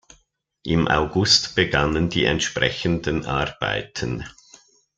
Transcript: Im August begannen die entsprechenden Arbeiten.